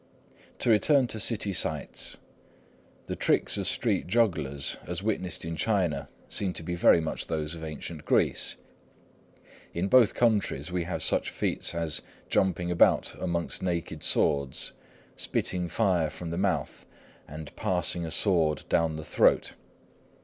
To return to city sights. The tricks of street jugglers as witnessed in China seem to be very much those of ancient Greece. In both countries we have such feats as jumping about amongst naked swords, spitting fire from the mouth, and passing a sword down the throat.